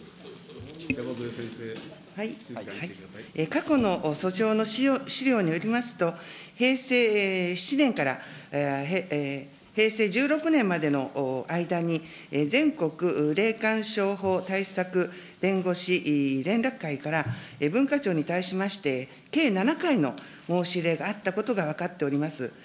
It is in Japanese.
過去の訴訟の資料によりますと、平成７年から平成１６年までの間に、全国霊感商法対策弁護士連絡会から文化庁に対しまして、計７回の申し入れがあったことが分かっております。